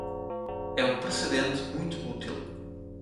É um precedente muito útil.